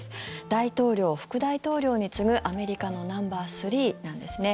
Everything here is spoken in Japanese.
大統領、副大統領に次ぐアメリカのナンバースリーなんですね。